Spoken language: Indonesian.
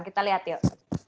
kita lihat yuk